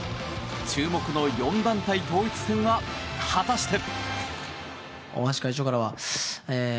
注目の４団体統一戦は果たして。